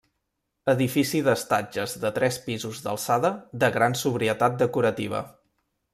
Edifici d'estatges de tres pisos d'alçada de gran sobrietat decorativa.